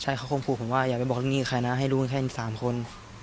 ใช่เขาคงขู่ผมว่าอย่าไปบอกเรื่องนี้กับใครนะให้รู้กันแค่๓คน